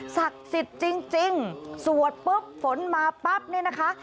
ศักดิ์สิทธิ์จริงสวดปุ๊บฝนมาปั๊บนะคะ